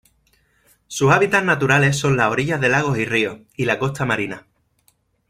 Sus hábitat naturales son las orillas de lagos y ríos, y la costa marina.